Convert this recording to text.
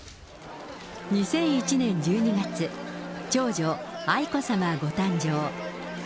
２００１年１２月、長女、愛子さまご誕生。